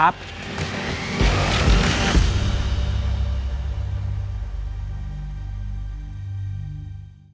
สวัสดีครับ